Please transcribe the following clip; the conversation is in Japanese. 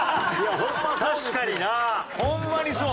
確かにな。ホンマにそう。